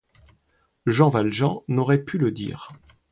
Jean Valjean n'aurait pu le dire.